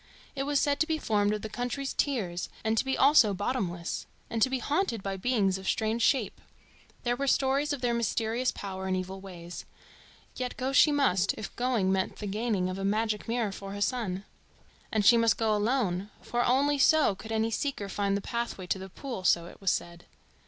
It was said to be formed of the country's tears and to be also bottomless, and to be haunted by beings of strange shape. There were stories of their mysterious power and evil ways. Yet go she must, if going meant the gaining of a magic mirror for her son. And she must go alone, for only so could any seeker find the pathway to the pool, so it was said.